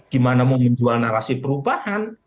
gimana mau menjual narasi perubahan